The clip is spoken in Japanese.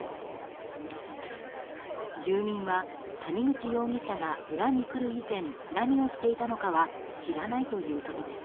住民は谷口容疑者が村に来る以前何をしていたのかは知らないということです。